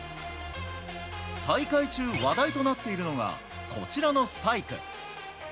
大会中、話題となっているのが、こちらのスパイク。